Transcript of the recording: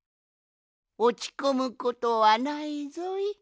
おちこむことはないぞい。